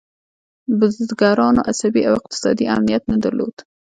بزګرانو عصبي او اقتصادي امنیت نه درلود.